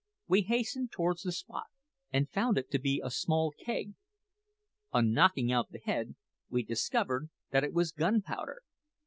We hastened towards the spot, and found it to be a small keg. On knocking out the head we discovered that it was gunpowder."